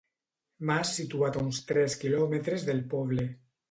Mas situat a uns tres quilòmetres del poble.